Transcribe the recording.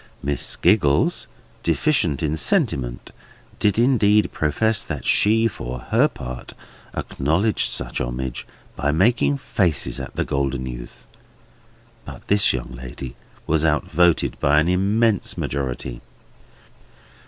Miss Giggles (deficient in sentiment) did indeed profess that she, for her part, acknowledged such homage by making faces at the golden youth; but this young lady was outvoted by an immense majority.